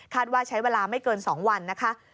ว่าใช้เวลาไม่เกิน๒วันนะคะ